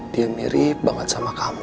dia mirip banget sama kamu